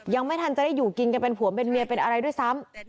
ยังไม่ทันจะได้อยู่กินกันเป็นผัวเป็นเมียเป็นอะไรด้วยซ้ำ